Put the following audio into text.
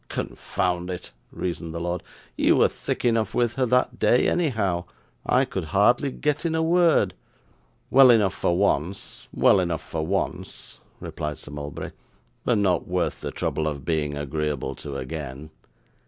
'Confound it!' reasoned the lord, 'you were thick enough with her that day, anyhow. I could hardly get in a word.' 'Well enough for once, well enough for once,' replied Sir Mulberry; 'but not worth the trouble of being agreeable to again.